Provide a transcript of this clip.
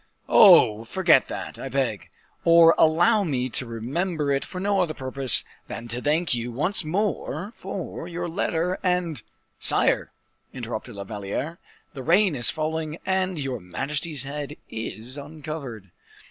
"Oh! forget that, I beg, or allow me to remember it for no other purpose than to thank you once more for your letter, and " "Sire," interrupted La Valliere, "the rain is falling, and your majesty's head is uncovered."